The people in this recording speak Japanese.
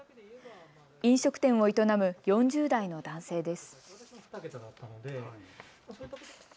飲食店を営む４０代の男性です。